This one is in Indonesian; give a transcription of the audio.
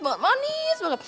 banget manis banget